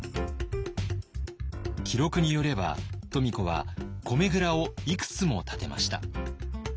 記録によれば富子は米倉をいくつも建てました。